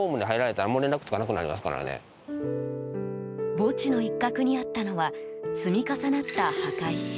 墓地の一角にあったのは積み重なった墓石。